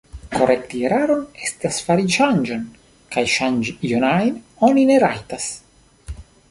Korekti eraron estas fari ŝanĝon, kaj ŝanĝi ion ajn oni ne rajtas.